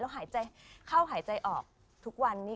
หายใจเข้าหายใจออกทุกวันนี้